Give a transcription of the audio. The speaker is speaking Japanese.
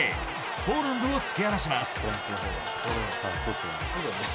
ポーランドを突き放します。